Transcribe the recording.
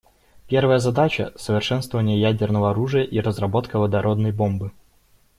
Первая задача — совершенствование ядерного оружия и разработка водородной бомбы.